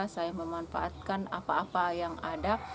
saya memanfaatkan apa apa yang ada